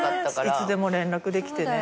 いつでも連絡できてね。